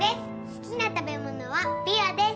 好きな食べ物はびわです！